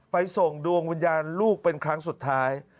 ส่งดวงวิญญาณลูกเป็นครั้งสุดท้าย